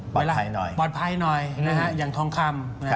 ปลอดภัยหน่อยปลอดภัยหน่อยนะฮะอย่างทองคำ